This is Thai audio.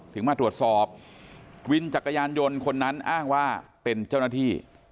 มาตรวจสอบวินจักรยานยนต์คนนั้นอ้างว่าเป็นเจ้าหน้าที่